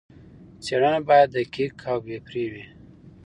څېړنه باید دقیق او بې پرې وي.